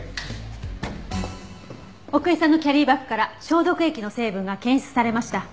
奥居さんのキャリーバッグから消毒液の成分が検出されました。